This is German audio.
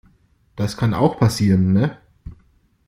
Das kann auch passieren, ne?